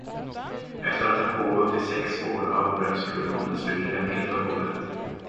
Efter att ha pågått i sex år avbröts produktionen slutligen helt och hållet.